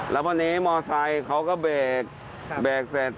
แล้วพอนี้มอเตรียมมอเตรียมเค้าก็เบรกเตรียมเสร็จ